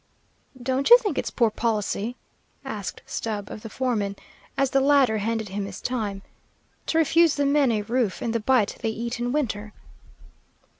"Don't you think it's poor policy," asked Stubb of the foreman, as the latter handed him his time, "to refuse the men a roof and the bite they eat in winter?"